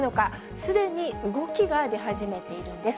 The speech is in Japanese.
すでに動きが出始めているんです。